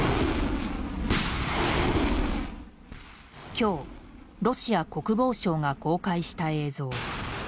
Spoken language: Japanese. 今日、ロシア国防省が公開した映像。